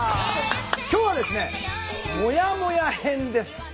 今日はですね「もやもや編」です。